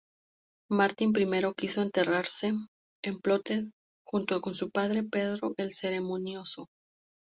Martín I quiso enterrarse en Poblet junto con su padre Pedro el Ceremonioso.